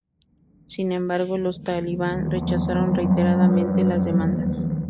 Sin embargo los talibán rechazaron reiteradamente las demandas.